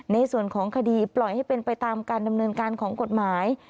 ในส่วนของคดีปล่อยให้เป็นไปตามการดำเนินการของกฎหมาย